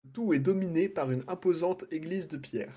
Le tout est dominé par une imposante église de pierre.